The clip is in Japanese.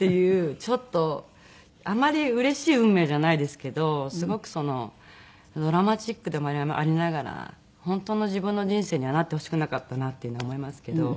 ちょっとあまりうれしい運命じゃないですけどすごくドラマチックでもありながら本当の自分の人生にはなってほしくなかったなっていうのは思いますけど。